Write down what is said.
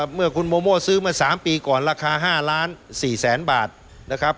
เมื่อคุณโมโมซื้อมา๓ปีก่อนราคา๕ล้าน๔แสนบาทนะครับ